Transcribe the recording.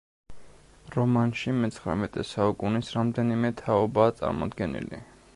რომანში მეცხრამეტე საუკუნის რამდენიმე თაობაა წარმოდგენილი.